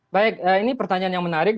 baik ini pertanyaan yang menarik